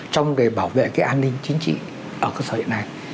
trong để bảo vệ an ninh chính trị ở cơ sở hiện nay